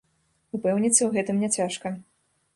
Упэўніцца ў гэтым няцяжка.